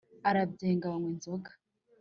arabyenga banywa inzoga